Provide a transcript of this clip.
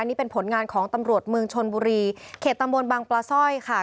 นี่เป็นผลงานของตำรวจเมืองชนบุรีเขตตำบลบังปลาสร้อยค่ะ